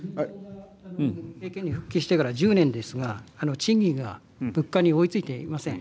復帰してから１０年ですが賃金が物価に追いついていません。